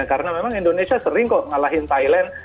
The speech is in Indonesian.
karena memang indonesia sering kok ngalahin thailand